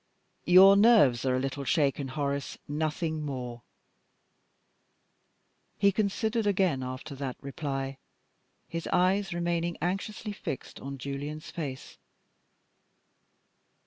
"Your nerves are a little shaken, Horace. Nothing more." He considered again after that reply, his eyes remaining anxiously fixed on Julian's face.